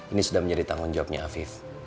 ini sudah menjadi tanggung jawabnya afif